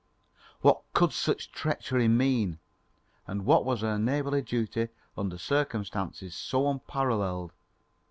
What could such treachery mean, and what was her neighbourly duty under circumstances so unparalleled?